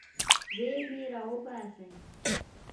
زیرمې راوباسئ.